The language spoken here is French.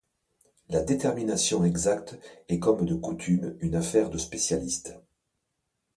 La détermination exacte est comme de coutume une affaire de spécialiste.